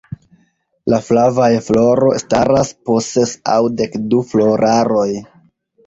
La flavaj floro staras po ses aŭ dekdu floraroj.